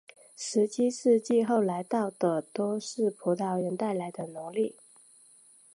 十七世纪后来到的多是葡萄牙人带来的奴隶。